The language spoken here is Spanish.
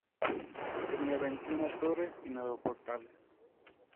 Tenía veintiuna torres y nueve portales.